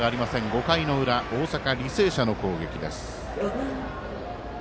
５回の裏、大阪、履正社の攻撃。